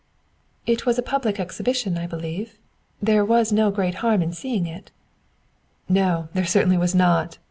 "It was a public exhibition, I believe; there was no great harm in seeing it." "No; there certainly was not!"